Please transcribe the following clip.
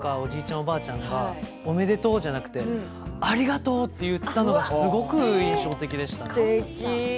おばあちゃんが、おめでとうじゃなくてありがとうと言っていたのがすごく印象的でした。